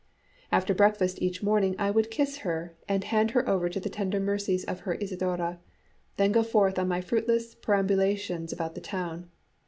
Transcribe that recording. After breakfast each morning I would kiss her and hand her over to the tender mercies of her Isidora, then go forth on my fruitless perambulations about the town.